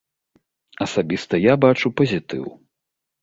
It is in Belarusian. Асабіста я бачу пазітыў.